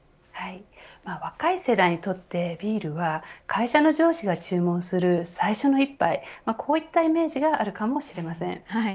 若い世代にとってビールは会社の上司が注文する最初の一杯こういったイメージがあるかもしれません。